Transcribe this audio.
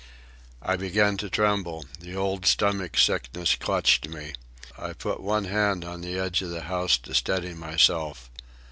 I began to tremble. The old stomach sickness clutched me. I put one hand on the edge of the house to steady myself.